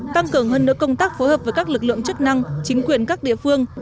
tăng cường hơn nữa công tác phối hợp với các lực lượng chức năng chính quyền các địa phương